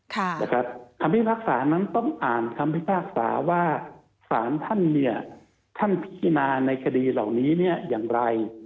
คำพิพากษานั้นต้องอ่านคำพิพากษาว่าสารท่านเนี่ยท่านพิจารณาในคดีเหล่านี้เนี่ยอย่างไร